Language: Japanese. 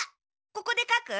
ここでかく？